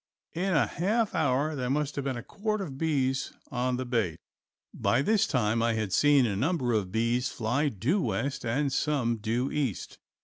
In a half hour there must have been a quart of bees on the bait. By this time I had seen a number of bees fly due west and some due east.